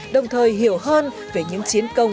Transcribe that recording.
đồng thời hiểu hơn về những chiến công